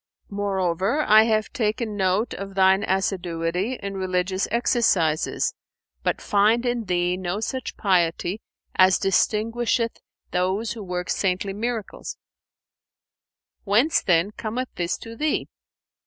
Moreover, I have taken note of thine assiduity in religious exercises, but find in thee no such piety as distinguisheth those who work saintly miracles: whence, then, cometh this to thee?"